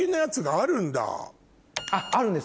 あるんです